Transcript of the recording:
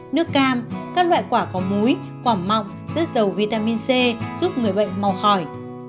nước cam các loại quả có múi quả mọng rất giàu vitamin c giúp người bệnh màu hỏi